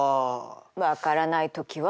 分からない時は調べる。